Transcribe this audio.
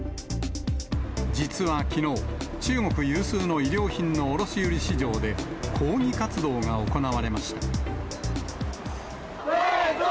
実はきのう、中国有数の衣料品の卸売市場で、抗議活動が行われました。